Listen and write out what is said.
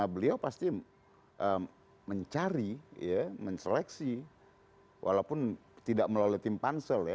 beliau pasti mencari menseleksi walaupun tidak melalui tim pansel